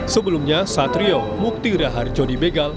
sebelumnya satrio mukti reharjo di begal